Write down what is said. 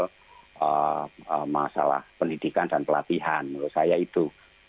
nah ini juga adalah masalah pendidikan dan pelatihan menurut saya itu